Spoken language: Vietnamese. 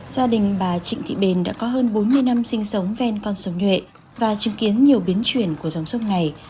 gia đình bà trịnh thị bền đã có hơn bốn mươi năm sinh sống ven con sông nhuệ và chứng kiến nhiều biến chuyển của dòng sông này